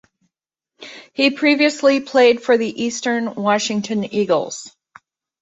He previously played for the Eastern Washington Eagles.